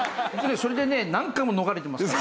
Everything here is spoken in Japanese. それでね何回も逃れてますから。